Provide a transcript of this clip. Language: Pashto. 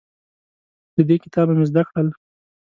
له دې کتابه مې زده کړل